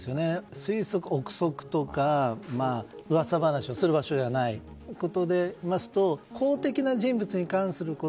推測、憶測とか噂話をする場所じゃないということでいいますと公的な人物に関すること